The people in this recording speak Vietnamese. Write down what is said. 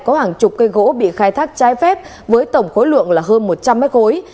có hàng chục cây gỗ bị khai thác trái phép với tổng khối lượng là hơn một trăm linh mét khối